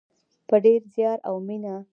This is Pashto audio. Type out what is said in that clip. په ډیر زیار او مینه.